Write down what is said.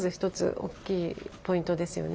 大きいポイントですよね。